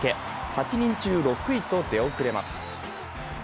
８人中、６位と出遅れます。